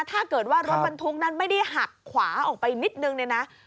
ถ้าเกิดว่ารถบรรทุกนั้นไม่ได้หักขวาออกไปนิดนึงเนี่ยนะ